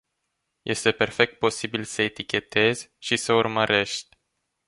Este perfect posibil să etichetezi și să urmărești.